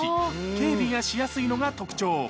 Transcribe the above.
警備がしやすいのが特徴